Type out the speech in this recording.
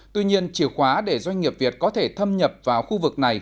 tuy nhiên chìa khóa để doanh nghiệp việt có thể thâm nhập vào khu vực này